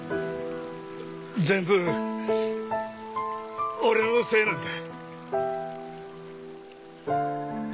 全部俺のせいなんだ。